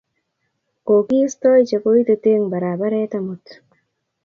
Kokiistai chekoititeng barabaret amut